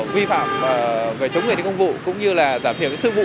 vi phạm về chống người thi công vụ